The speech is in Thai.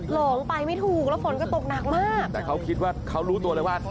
หลงไปไม่ถูกแล้วฝนก็ตกหนักมากแต่เขาคิดว่าเขารู้ตัวเลยว่า